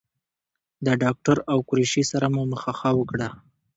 د ډاکټر او قریشي سره مو مخه ښه وکړه.